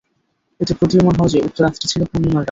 এতে প্রতীয়মান হয় যে, উক্ত রাতটি ছিল পূর্ণিমার রাত।